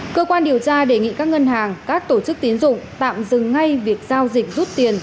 cơ quan điều tra đề nghị các ngân hàng các tổ chức tín dụng tạm dừng ngay việc giao dịch rút tiền